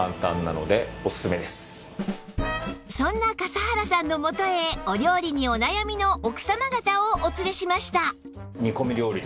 そんな笠原さんの元へお料理にお悩みの奥様方をお連れしました